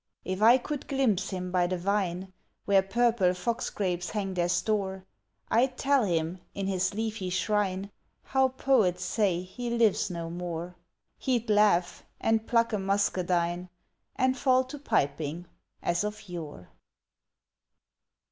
If I could glimpse him by the vine Where purple fox grapes hang their store, I'd tell him, in his leafy shrine, How poets say he lives no more. He'd laugh, and pluck a muscadine, And fall to piping, as of yore!